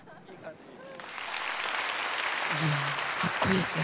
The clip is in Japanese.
いやかっこいいですね。